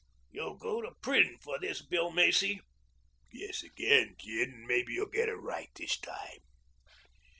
"You'll go to prison for this, Bill Macy." "Guess again, Gid, and mebbe you'll get it right this time."